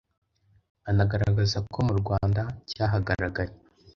anagaragaza ko mu Rwanda cyahagaragaye